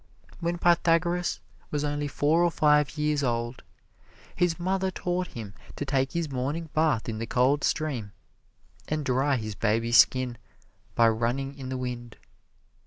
When Pythagoras was only four or five years old, his mother taught him to take his morning bath in the cold stream, and dry his baby skin by running in the wind.